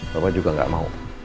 papa juga gak mau